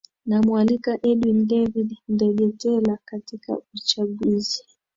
namwalika edwin david ndegetela katika uchaguzi